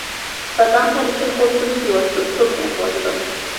داداڭ سەن ئۈچۈن ئوتتىمۇ كۆيۈۋاتىدۇ، سۇدىمۇ ئېقىۋاتىدۇ.